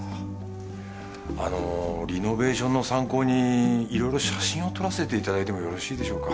あのリノベーションの参考にいろいろ写真を撮らせていただいてもよろしいでしょうか。